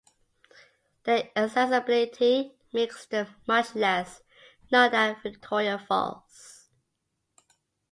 Their inaccessibility makes them much less known than Victoria Falls.